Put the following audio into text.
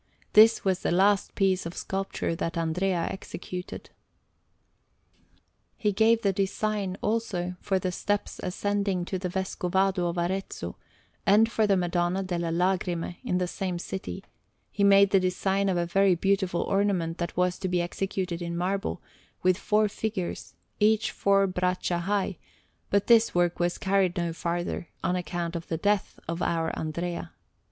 This was the last piece of sculpture that Andrea executed. He gave the design, also, for the steps ascending to the Vescovado of Arezzo; and for the Madonna delle Lagrime, in the same city, he made the design of a very beautiful ornament that was to be executed in marble, with four figures, each four braccia high; but this work was carried no farther, on account of the death of our Andrea.